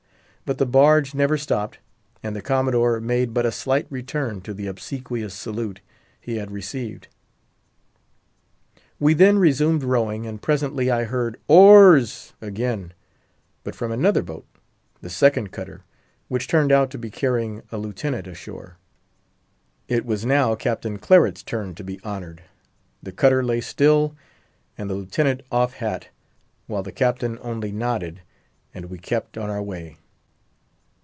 But the barge never stopped; and the Commodore made but a slight return to the obsequious salute he had received. We then resumed rowing, and presently I heard "Oars!" again; but from another boat, the second cutter, which turned out to be carrying a Lieutenant ashore. If was now Captain Claret's turn to be honoured. The cutter lay still, and the Lieutenant off hat; while the Captain only nodded, and we kept on our way.